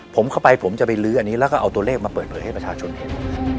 ผมเข้าไปผมจะไปลื้ออันนี้แล้วก็เอาตัวเลขมาเปิดเผยให้ประชาชนเห็น